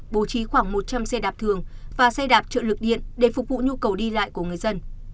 bố trí khoảng một trăm linh xe đạp thường và xe đạp trợ lực điện để phục vụ nhu cầu đi lại của người dân